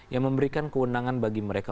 yang memberikan kewenangan bagi mereka